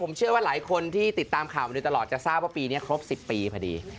ผมเชื่อว่าหลายคนที่ติดตามข่าวมาโดยตลอดจะทราบว่าปีนี้ครบ๑๐ปีพอดี